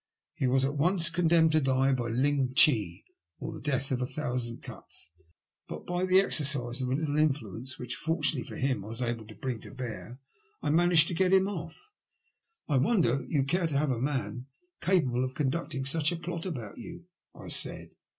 He was at once condemned to die by Ung chi or the death of a thousand cuts, but by the exercise of a little influence which, fortunately for him, I was able to bring to bear, I managed to get him off." I wonder you care to have a man capable of con cocting such a plot about you," I said.